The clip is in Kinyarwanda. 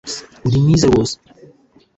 Uri mwiza rwose